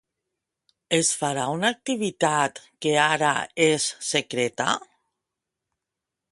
Es farà una activitat que ara és secreta?